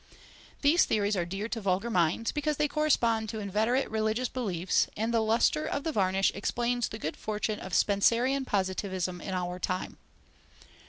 These theories are dear to vulgar minds, because they correspond to inveterate religious beliefs, and the lustre of the varnish explains the good fortune of Spencerian positivism in our time.